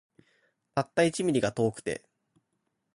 たった一ミリが遠くて